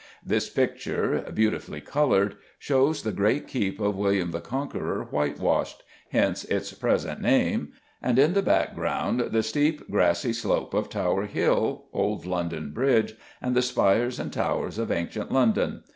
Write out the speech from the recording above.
This picture, beautifully coloured, shows the great keep of William the Conqueror whitewashed hence its present name and, in the background, the steep grassy slope of Tower Hill, old London Bridge, and the spires and towers of ancient London.